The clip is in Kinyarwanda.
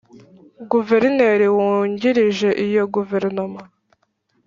Guverineri Wungirije iyo Guverinoma.